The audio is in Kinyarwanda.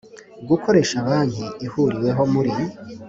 Gukoresha banki ihuriweho muri